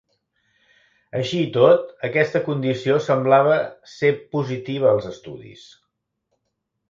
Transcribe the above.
Així i tot, aquesta condició semblava ser positiva als estudis.